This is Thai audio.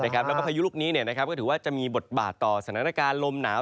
แล้วก็พายุลูกนี้ก็ถือว่าจะมีบทบาทต่อสถานการณ์ลมหนาว